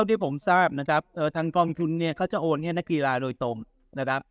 ที่ผมทราบนะครับทางกองทุนเนี่ยเขาจะโอนให้นักกีฬาโดยตรงนะครับ